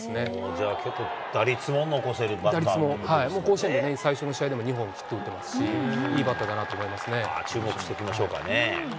じゃあ、結構、打率も残せる打率も、甲子園も最初の試合でもヒット２本打ってるし、いいバッターだな注目しておきましょうかね。